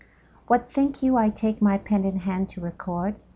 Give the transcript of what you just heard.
WHAT think you I take my pen in hand to record?